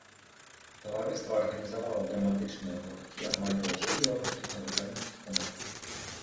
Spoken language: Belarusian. Таварыства арганізавала драматычныя гурткі амаль ва ўсіх беларускіх навучальных установах.